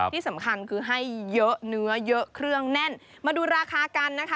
ที่สำคัญคือให้เยอะเนื้อเยอะเครื่องแน่นมาดูราคากันนะคะ